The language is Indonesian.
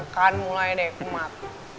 kan mulai deh kumat